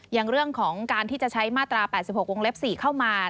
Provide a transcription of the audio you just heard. อย่างเรื่องของการที่จะใช้มาตรา๘๖วงเล็บ๔เข้ามา